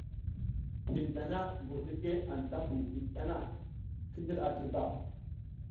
Hin dana mbur ɗike anta mbuƞ ɗik tana, ki ndir a dirba.